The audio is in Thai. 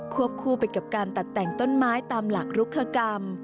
คู่ไปกับการตัดแต่งต้นไม้ตามหลักรุคกรรม